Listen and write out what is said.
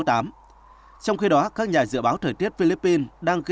trong khi đó các nhà dự báo thời tiết philippines đang